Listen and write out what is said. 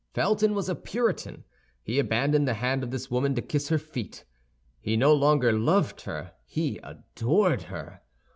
Felton was a Puritan; he abandoned the hand of this woman to kiss her feet. He no longer loved her; he adored her.